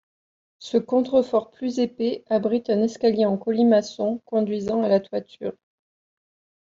Ce contrefort plus épais abrite un escalier en colimaçon conduisant à la toiture.